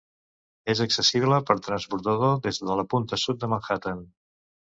És accessible per transbordador des de la punta sud de Manhattan.